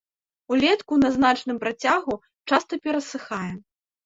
Улетку на значным працягу часта перасыхае.